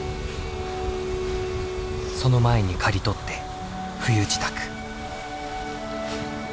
その前に刈り取って冬支度。